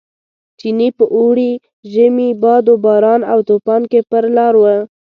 چیني په اوړي، ژمي، باد و باران او توپان کې پر لار و.